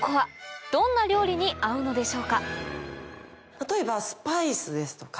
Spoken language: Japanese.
例えば。